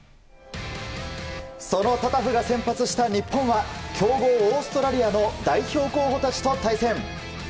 そのタタフが先発した日本は強豪オーストラリアの代表候補たちと対戦。